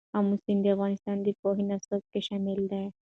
آمو سیند د افغانستان د پوهنې نصاب کې شامل دی.